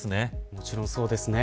もちろんそうですね。